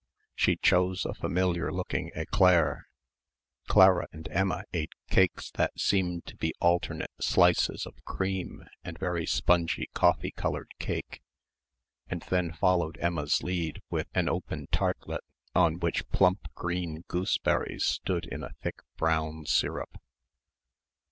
She chose a familiar looking éclair Clara and Emma ate cakes that seemed to be alternate slices of cream and very spongy coffee coloured cake and then followed Emma's lead with an open tartlet on which plump green gooseberries stood in a thick brown syrup.